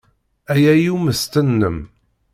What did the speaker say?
Aya i ummesten-nnem.